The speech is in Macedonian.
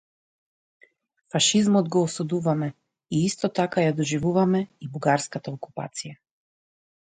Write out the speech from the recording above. Фашизмот го осудувавме и исто така ја доживувавме и бугарската окупација.